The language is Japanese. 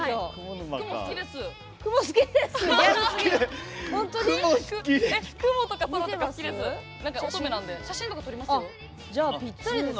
雲、好きです。